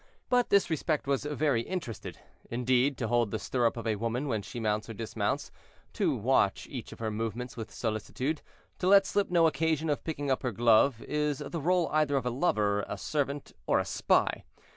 But this respect was very interested. Indeed, to hold the stirrup of a woman when she mounts or dismounts, to watch each of her movements with solicitude, to let slip no occasion of picking up her glove, is the role either of a lover, a servant, or a spy.